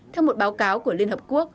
theo một báo cáo